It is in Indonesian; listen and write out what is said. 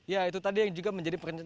ya itu tadi yang juga menjadi perhatian